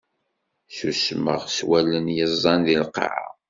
Susmeɣ s wallen yeẓẓan di lqaɛa.